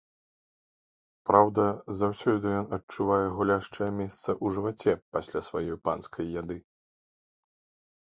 Праўда, заўсёды ён адчувае гуляшчае месца ў жываце пасля сваёй панскай яды.